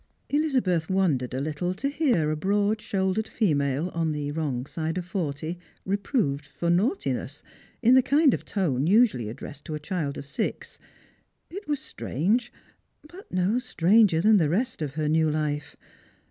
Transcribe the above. Elizabeth wondered a little to hear a broad shouldered female, on the wrong side of forty, reproved for nauglrtinegs, in the kind 372 Strangers and Pilcjrims. of tone msually addressed to a child of six. It was strange, but no stranger than the rest of her new life.